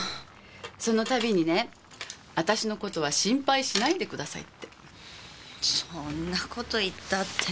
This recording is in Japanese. そのたびにね「私のことは心配しないでください」って。そんなこと言ったって。